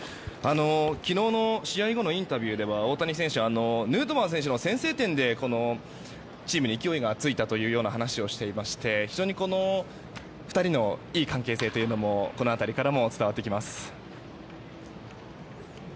昨日の試合後のインタビューでは大谷選手、ヌートバー選手の先制点で、チームに勢いがついたというような話をしていまして非常に２人のいい関係性がこの辺りからも伝わってきます。